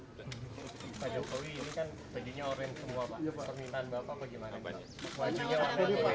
ada pesan untuk buah buah